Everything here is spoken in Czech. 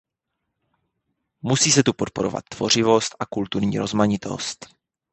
Musí se tu podporovat tvořivost a kulturní rozmanitost.